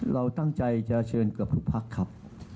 เราตั้งใจจะเชิญเกือบทุกพักครับ